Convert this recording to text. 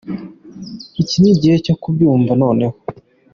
Iki ni gihe cyo kubyumva noneho.”